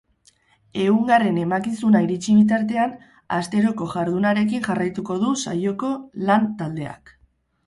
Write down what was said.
Ehungarren emakinzuna iritsi bitartean, asteroko jardunarekin jarraituko du saioko lan taldeak.